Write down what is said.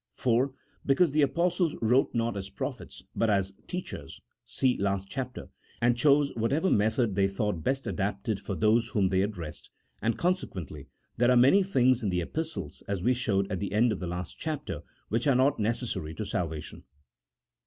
IV. Because the Apostles wrote not as prophets, but as teachers (see last Chapter), and chose whatever method they thought best adapted for those whom they addressed : and consequently, there are many things in the Epistles (as we showed at the end of the last Chapter) which are not necessary to salvation.